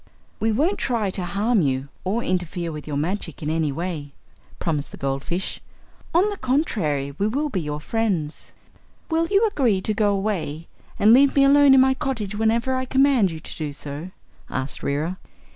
"We won't try to harm you, or to interfere with your magic in any way," promised the goldfish. "On the contrary, we will be your friends." "Will you agree to go away and leave me alone in my cottage, whenever I command you to do so?" asked Reera.